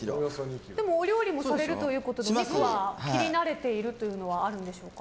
お料理もされるということでお肉は切りなれているというのはあるんでしょうか。